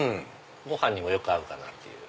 ご飯にもよく合うかなっていう。